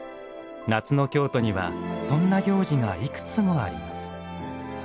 夏の京都にはそんな行事がいくつもあります。